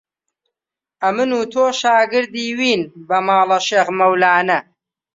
ئەمن و تۆ شاگردی وین بە ماڵە شێخ مەولانە